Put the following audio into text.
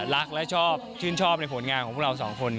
รักและชอบชื่นชอบในผลงานของพวกเราสองคน